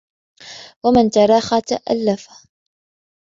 وَمَنْ تَرَاخَى تَأَلَّفَ